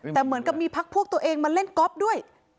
แต่เหมือนกับมีพักพวกตัวเองมาเล่นก๊อฟด้วย